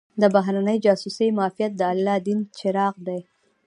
د بهرنۍ جاسوسۍ معافیت د الله دین چراغ دی.